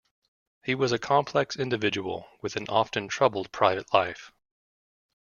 He was a complex individual with an often troubled private life.